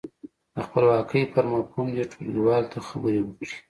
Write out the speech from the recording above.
د خپلواکۍ پر مفهوم دې ټولګیوالو ته خبرې وکړي.